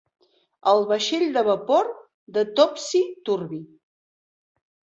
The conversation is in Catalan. El vaixell de vapor de Topsy-turvy.